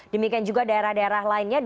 demikian juga daerah daerah lainnya